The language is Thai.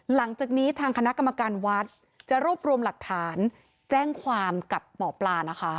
หลังจากนี้ทางคณะกรรมการวัดจะรวบรวมหลักฐานแจ้งความกับหมอปลานะคะ